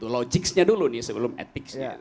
logicsnya dulu nih sebelum ethicsnya